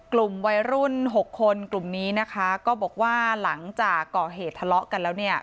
กลุ่มวัยรุ่น๖คนกลุ่มนี้นะคะก็บอกว่าหลังจากก่อเหตุทะเลาะกันแล้วเนี่ย